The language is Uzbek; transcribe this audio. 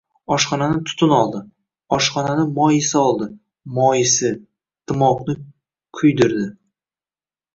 Oshxonani tutun oldi. Oshxonani moy isi oldi. Moy isi... dimoqni quydirdi.